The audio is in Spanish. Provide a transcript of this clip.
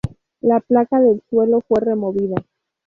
La placa del suelo fue removida.